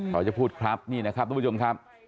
เขาจะพูดครับนี่นะครับทุกผู้ชมครับ